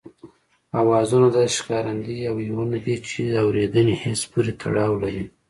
آوازونه داسې ښکارندې او يوونونه دي چې د اورېدني حس پورې تړاو لري